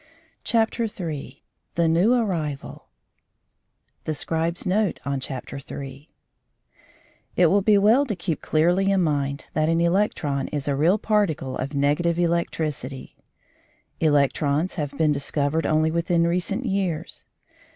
CHAPTER III THE NEW ARRIVAL THE SCRIBE'S NOTE ON CHAPTER THREE It will be well to keep clearly in mind that an electron is a real particle of negative electricity. Electrons have been discovered only within recent years.